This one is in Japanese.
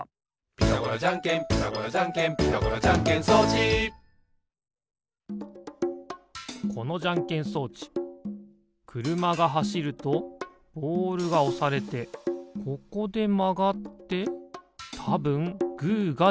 「ピタゴラじゃんけんピタゴラじゃんけん」「ピタゴラじゃんけん装置」このじゃんけん装置くるまがはしるとボールがおされてここでまがってたぶんグーがでる。